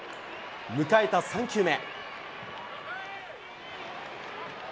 迎えた３球目。